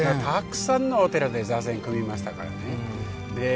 たくさんのお寺で座禅を組みましたからね。